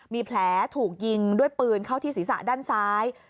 มีแผลถูกยิงด้วยปืนเข้าที่ศีรษะด้านซ้าย